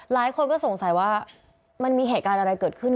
หลายคนก็สงสัยว่ามันมีเหตุการณ์อะไรเกิดขึ้น